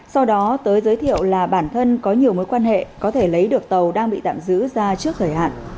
sau đó tới giới thiệu là bản thân có nhiều mối quan hệ có thể lấy được tàu đang bị tạm giữ ra trước thời hạn